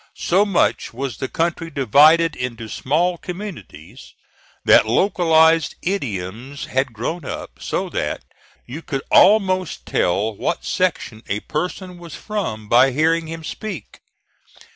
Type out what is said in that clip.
So much was the country divided into small communities that localized idioms had grown up, so that you could almost tell what section a person was from by hearing him speak.